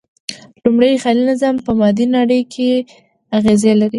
لومړی، خیالي نظم په مادي نړۍ اغېز لري.